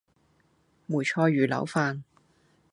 梅菜魚柳飯